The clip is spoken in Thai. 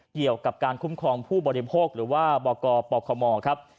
เกี่ยวกับการคุ้มครองผู้บริโภคหรือว่าบกปคมครับ